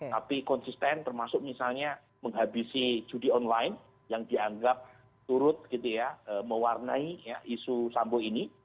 tapi konsisten termasuk misalnya menghabisi judi online yang dianggap turut gitu ya mewarnai isu sambo ini